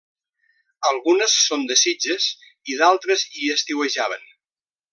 Algunes són de Sitges i d'altres hi estiuejaven.